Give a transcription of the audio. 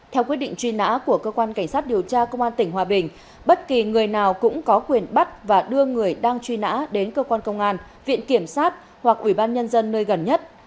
theo quyết định truy nã của cơ quan cảnh sát điều tra công an tỉnh hòa bình bất kỳ người nào cũng có quyền bắt và đưa người đang truy nã đến cơ quan công an viện kiểm sát hoặc ủy ban nhân dân nơi gần nhất